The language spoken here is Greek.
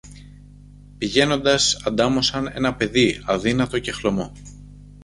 Πηγαίνοντας αντάμωσαν ένα παιδί αδύνατο και χλωμό